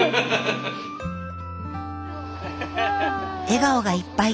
笑顔がいっぱい。